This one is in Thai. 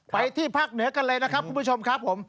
ที่ภาคเหนือกันเลยนะครับคุณผู้ชมครับผม